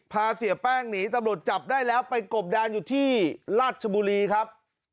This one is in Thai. เสียแป้งหนีตำรวจจับได้แล้วไปกบดานอยู่ที่ราชบุรีครับ